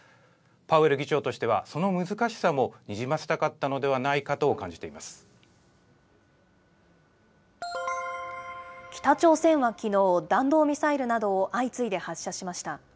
パウエル議長としては、その難しさもにじませたかったのではない北朝鮮はきのう、弾道ミサイルなどを相次いで発射しました。